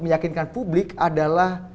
meyakinkan publik adalah